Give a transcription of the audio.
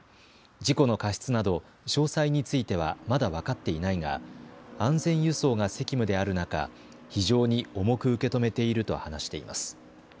事故の過失など詳細についてはまだ分かっていないが安全輸送が責務である中、非常に重く受け止めていると話しています。